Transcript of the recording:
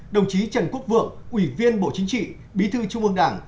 đồng chí trần quốc vượng ủy viên bộ chính trị bí thư trung ương đảng